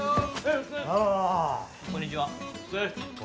こんにちは。